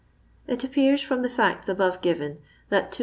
It appears from the fiwts above given that 210